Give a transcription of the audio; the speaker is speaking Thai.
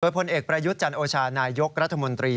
พลเอกประยุทธ์จันโอชานายกรัฐมนตรี